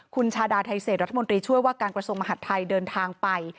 คุณชาดาไทเศษรัฐมนตรีช่วยว่าการกระทรวงมหาดไทยเดินทางไป